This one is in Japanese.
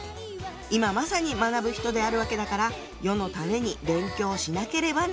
「今まさに学ぶ人であるわけだから世のために勉強をしなければならない」。